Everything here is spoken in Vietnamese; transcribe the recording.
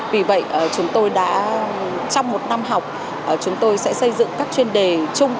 vì vậy chúng tôi đã trong một năm học chúng tôi sẽ xây dựng các chuyên đề chung